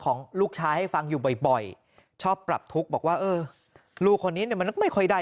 ของลูกชายให้ฟังอยู่บ่อยชอบปรับทุกข์บอกว่าเออลูกคนนี้เนี่ยมันไม่ค่อยได้